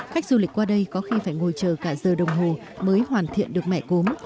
khách du lịch qua đây có khi phải ngồi chờ cả giờ đồng hồ mới hoàn thiện được mẻ cốm